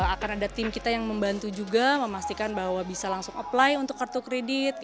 akan ada tim kita yang membantu juga memastikan bahwa bisa langsung apply untuk kartu kredit